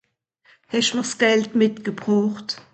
Hesch'm'r s'Gald mitgebrocht?